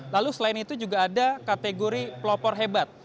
lalu selain itu juga ada kategori pelopor hebat